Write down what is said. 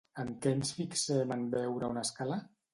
En què ens fixem en veure una escala?